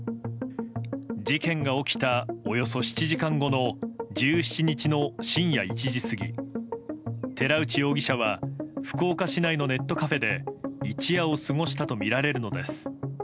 事件が起きた、およそ７時間後の１７日の深夜１時過ぎ寺内容疑者は福岡市内のネットカフェで一夜を過ごしたとみられるのです。